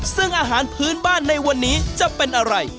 ซึ่งอาหารพื้นบ้านในวันนี้จะเป็นอะไร